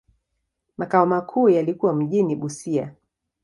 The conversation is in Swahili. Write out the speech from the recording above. Makao makuu yalikuwa mjini Busia.